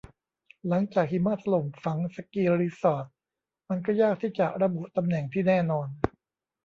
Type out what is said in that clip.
หลังจากหิมะถล่มฝังสกีรีสอร์ทมันก็ยากที่จะระบุตำแหน่งที่แน่นอน